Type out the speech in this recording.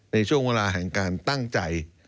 ในช่วงเวลาแห่งการตั้งใจ